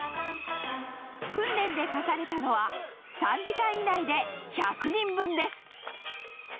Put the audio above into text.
訓練で課されたのは、３時間以内で１００人分です。